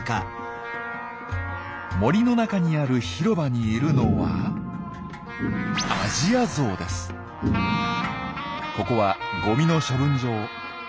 森の中にある広場にいるのはここはゴミの処分場。